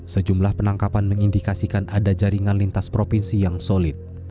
sejumlah penangkapan mengindikasikan ada jaringan lintas provinsi yang solid